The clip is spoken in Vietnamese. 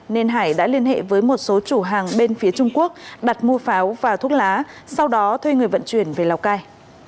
nên hải đã liên hệ với một số chủ hàng bên phía trung quốc đặt mua pháo và thuốc lá sau đó thuê người vận chuyển về lào cai